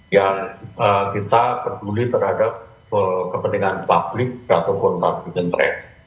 yang kita peduli terhadap kepentingan publik ataupun pavilion tres